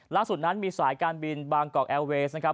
ล่าสุดนั้นมีสายการบินบางกอกแอร์เวสนะครับ